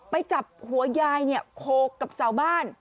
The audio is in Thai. ไปจับหัวยายเนี่ยโขกกับเสาบ้าน